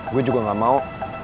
gue juga gak mau